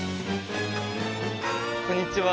こんにちは。